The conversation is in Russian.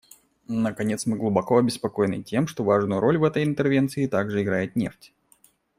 Наконец, мы глубоко обеспокоены тем, что важную роль в этой интервенции также играет нефть.